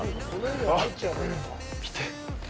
あっ、見て。